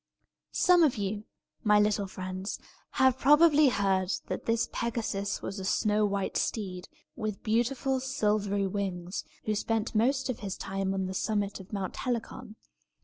Some of you, my little friends, have probably heard that this Pegasus was a snow white steed, with beautiful silvery wings, who spent most of his time on the summit of Mount Helicon.